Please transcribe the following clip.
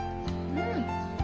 うん！